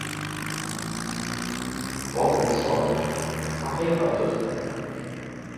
Robinson, verheiratet.